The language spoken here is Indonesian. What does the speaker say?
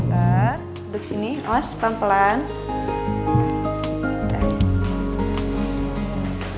tidak ada yang bisa ditutup